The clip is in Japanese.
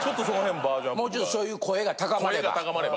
もうちょっとそういう声が高まれば。